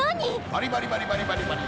バリバリバリバリバリバリ！